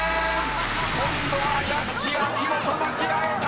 ［今度は屋敷秋元間違えた！］